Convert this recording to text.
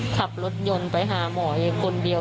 ขับรถยนต์ไปหาหมอเองคนเดียว